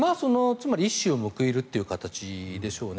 つまり一矢を報いるという形でしょうね。